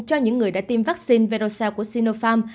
cho những người đã tiêm vaccine virocell của sinopharm